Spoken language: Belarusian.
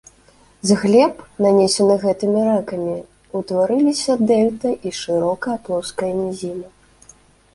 З глеб, нанесеных гэтымі рэкамі, утварыліся дэльта і шырокая плоская нізіна.